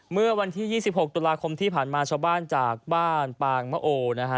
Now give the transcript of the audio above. เมื่อวันที่๒๖ตุลาคมที่ผ่านมาชาวบ้านจากบ้านปางมะโอนะฮะ